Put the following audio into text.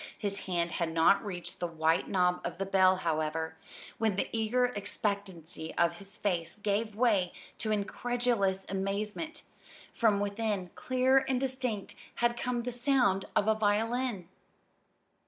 His hand had not reached the white knob of the bell, however, when the eager expectancy of his face gave way to incredulous amazement; from within, clear and distinct, had come the sound of a violin.